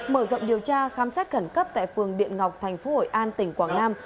mở rộng điều tra khám sát khẩn cấp tại phường điện ngọc tp hội an tỉnh quảng nam